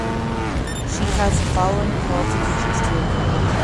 She has the following qualifications to her credit.